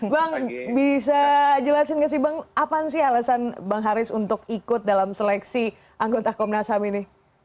bang bisa jelasin nggak sih bang apa sih alasan bang haris untuk ikut dalam seleksi anggota komnas ham ini